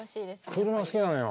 車好きなのよ。